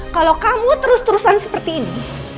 kalau kamu terus terusan seperti ini